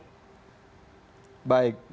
berarti menyediakannya makanan turki